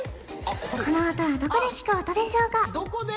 この音はどこで聞く音でしょうかどこで？